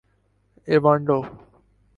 ایوانڈو